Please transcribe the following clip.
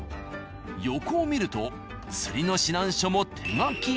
横を見ると釣りの指南書も手書き。